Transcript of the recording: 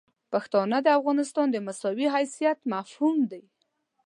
پښتانه د افغانستان د مساوي حیثیت مفهوم دي.